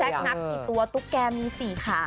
พี่แจ๊กนับ๑ตัวตุ๊กแก่มี๔ขา